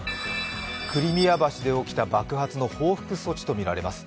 クリミア橋で起きた爆発の報復措置とみられます。